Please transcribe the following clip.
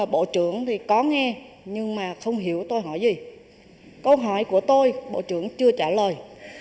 bộ trưởng không hiểu tôi hỏi gì câu hỏi của tôi bộ trưởng chưa trả lời